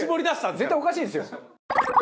絶対おかしいですよ。